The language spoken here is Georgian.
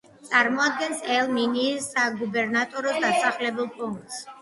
წარმოადგენს ელ-მინიის საგუბერნატოროს დასახლებულ პუნქტს.